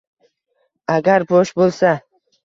agar bo’sh bo’lsa